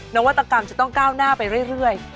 นวัตกรรมจะต้องก้าวหน้าไปเรื่อย